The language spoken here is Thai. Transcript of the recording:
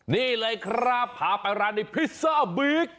นี่เลยครับพาไปร้านนี้พิซซ่าบิ๊ก